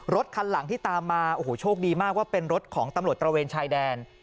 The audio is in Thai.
รถคันหลังที่ตามมาโอ้โหโชคดีมากว่าเป็นรถของตำรวจตระเวนชายแดน